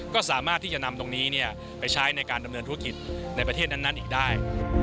ก็สามารถที่จะนำตรงนี้ไปใช้ในการดำเนินธุรกิจในประเทศนั้นอีกได้